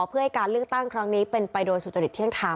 เพื่อให้การเลือกตั้งครั้งนี้เป็นไปโดยสุจริตเที่ยงธรรม